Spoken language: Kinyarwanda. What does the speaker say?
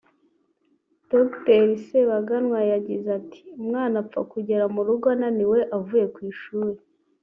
Dr Sebaganwa yagize ati « Umwana apfa kugera mu rugo ananiwe avuye ku ishuri